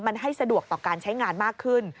มันให้สะดวกต่อการใช้งานมากขึ้น